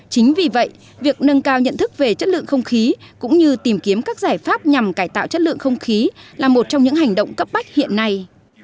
chính vì vậy việc nâng cao nhận thức về chất lượng không khí cũng như tìm kiếm các giải pháp nhằm cải tạo chất lượng không khí là một trong những hành động cấp bách hiện nay